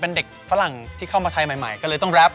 เป็นเด็กฝรั่งที่เข้ามาไทยใหม่ก็เลยต้องแรป